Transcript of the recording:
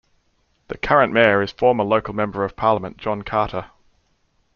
The current mayor is former local Member of Parliament John Carter.